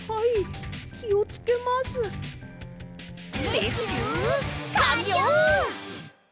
レスキューかんりょう！